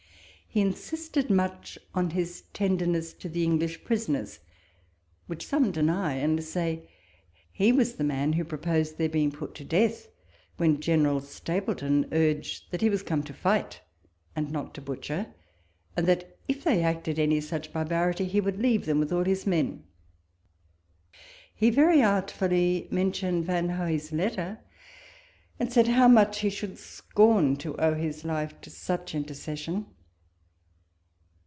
He in sisted much on his tenderness to the English prisoners, which some deny, and say that he was the man who proposed their being put to death, when General Stapleton urged that he was come to light, and not to butcher ; and that if they walpole's letters. 51 acted any such barbarity, he would leave them •with all his men. He very artfully mentioned Van Hoey's letter, and said how much he should scorn to owe his life to such intercession.